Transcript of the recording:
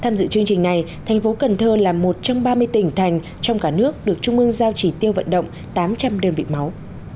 tham dự chương trình này thành phố cần thơ là một trong ba mươi tỉnh thành trong cả nước được trung ương giao chỉ tiêu vận động tám trăm linh đơn vị máu